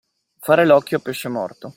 Fare l'occhio a pesce morto.